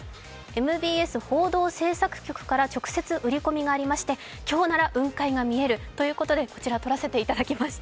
ＭＢＳ報道制作局から直接売り込みがありまして今日なら雲海が見えるということで、撮らせていただきました。